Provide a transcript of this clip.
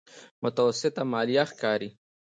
متوسطه ماليه ښکاري.